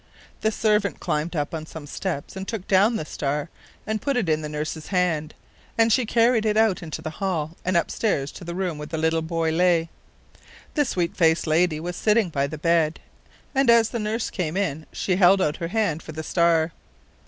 The servant climbed up on some steps and took down the star and put it in the nurse's hand, and she carried it out into the hall and upstairs to a room where the little boy lay. The sweet faced lady was sitting by the bed, and as the nurse came in she held out her hand for the star.